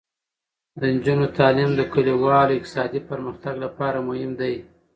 د نجونو تعلیم د کلیوالو اقتصادي پرمختګ لپاره مهم دی.